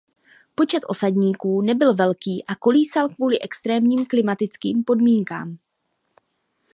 Počet osadníků nebyl velký a kolísal kvůli extrémním klimatickým podmínkám.